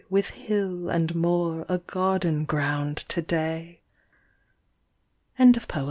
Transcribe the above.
With hill and moor a garden ground to day 1 THE PINE.